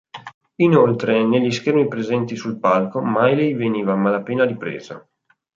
Inoltre, negli schermi presenti sul palco, Miley veniva a malapena ripresa.